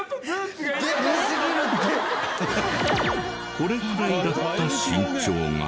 これくらいだった身長が。